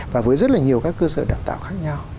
và với rất là nhiều các cơ sở đào tạo khác nhau